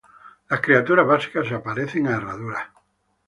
Las criaturas básicas se parecen a herraduras.